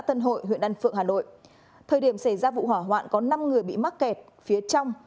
tân hội huyện đan phượng hà nội thời điểm xảy ra vụ hỏa hoạn có năm người bị mắc kẹt phía trong